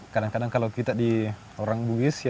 kadang kadang kalau kita orang buis